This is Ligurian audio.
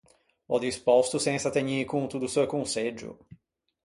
L’ò dispòsto sensa tegnî conto do seu conseggio.